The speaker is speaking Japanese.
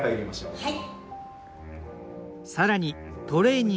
はい。